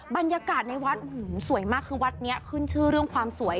บรรยากาศในวัดสวยมากคือวัดนี้ขึ้นชื่อเรื่องความสวย